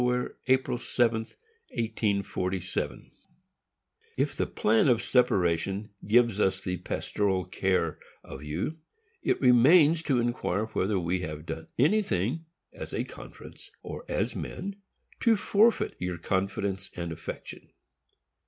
April 7, 1847: If the plan of separation gives us the pastoral care of you, it remains to inquire whether we have done anything, as a conference, or as men, to forfeit your confidence and affection.